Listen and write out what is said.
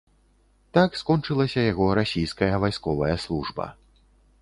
Так скончылася яго расійская вайсковая служба.